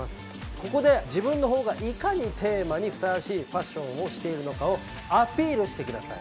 ここで自分の方がいかにテーマにふさわしいファッションをしているのかをアピールしてください。